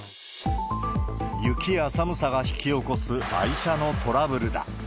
雪や寒さが引き起こす愛車のトラブルだ。